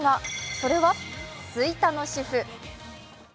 それは、吹田の主婦。